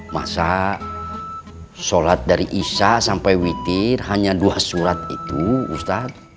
masa sholat dari isya sampai witir hanya dua surat itu ustadz